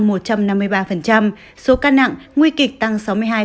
số ca nặng nguy kịch tăng sáu mươi hai